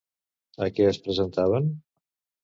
A què es presentaven?